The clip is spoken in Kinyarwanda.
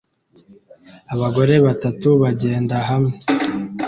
Abagore batatu bagenda hamwe